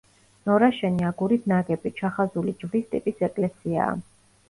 ნორაშენი აგურით ნაგები, „ჩახაზული ჯვრის“ ტიპის ეკლესიაა.